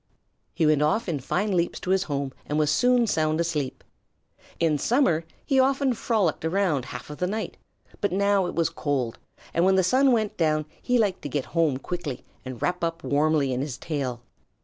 He went off in fine leaps to his home and was soon sound asleep. In summer he often frolicked around half of the night, but now it was cold, and when the sun went down he liked to get home quickly and wrap up warmly in his tail.